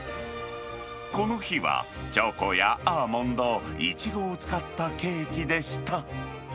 この日はチョコやアーモンド、イチゴを使ったケーキでした。